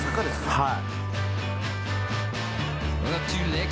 はい。